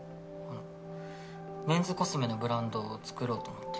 メンズコスメのブランドをつくろうと思って。